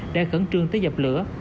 đã khẩn trương tới dập lửa